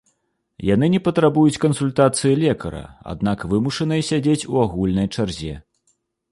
Яны не патрабуюць кансультацыі лекара, аднак вымушаныя сядзець у агульнай чарзе.